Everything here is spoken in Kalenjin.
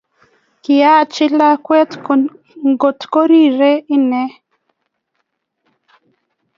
kilyachi lakwet kotor koriri inye